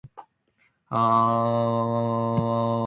もうあきた